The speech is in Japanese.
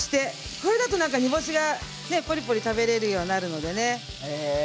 これだと煮干しがポリポリ食べられるようになるのでね。